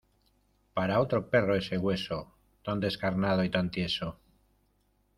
Para otro perro ese hueso, tan descarnado y tan tieso.